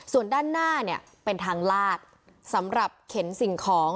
ส่วนด้านหน้าเนี่ยเป็นทางลาดสำหรับเข็นสิ่งของ